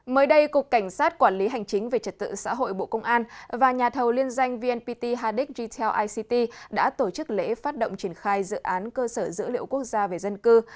mới đây cục cảnh sát quản lý hành chính về trật tự xã hội bộ công an và nhà thầu liên danh vnpt haddock retail ict đã tổ chức lễ phát động triển khai dự án cơ sở dữ liệu quốc gia về dân cư